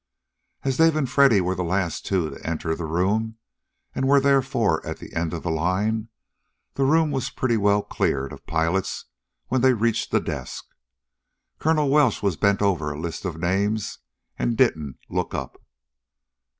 As Dave and Freddy were the last two to enter the room, and were therefore at the end of the line, the room was pretty well cleared of pilots when they reached the desk. Colonel Welsh was bent over a list of names and didn't look up.